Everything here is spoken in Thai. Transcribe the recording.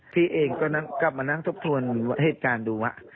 พี่เองก็กลับมานั่งทบทวนเหตุการณ์ดูว่า